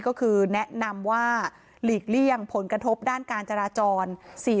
ก็คือแนะนำว่าหลีกเลี่ยงผลกระทบด้านการจราจร